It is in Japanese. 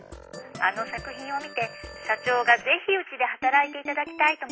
☎あの作品を見て社長がぜひうちで働いていただきたいと申しておりまして。